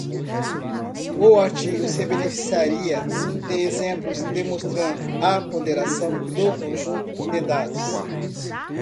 O artigo se beneficiaria de exemplos demonstrando a ponderação do conjunto de dados.